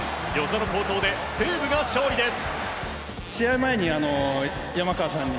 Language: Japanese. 與座の好投で西武が勝利です！